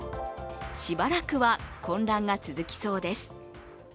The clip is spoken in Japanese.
しばらくは、混乱が続きそうです。